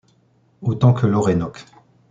Autant que l'Orénoque.